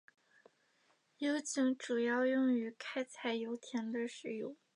油井主要用于开采油田的石油。